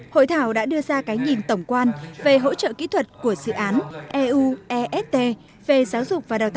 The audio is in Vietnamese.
hội thảo đã đưa ra cái nhìn tổng quan về hỗ trợ kỹ thuật của dự án eu est về giáo dục và đào tạo